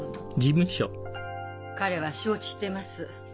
「彼は承知してます。